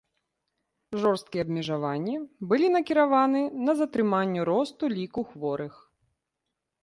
Жорсткія абмежаванні былі накіраваны на затрыманне росту ліку хворых.